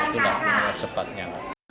tidak sampai sempatnya